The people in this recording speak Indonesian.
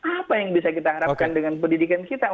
apa yang bisa kita harapkan dengan pendidikan kita